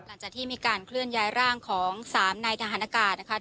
หลังจากที่มีการเคลื่อนย้ายร่างของ๓นายทหารอากาศนะคะ